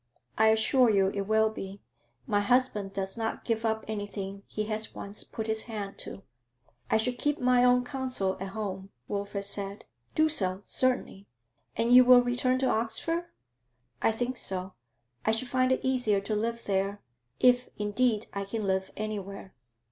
'I assure you it will be. My husband does not give up anything he has once put his hand to.' 'I shall keep my own counsel at home,' Wilfrid said. 'Do so, certainly. And you will return to Oxford?' 'I think so. I shall find it easier to live there if, indeed, I can live anywhere.'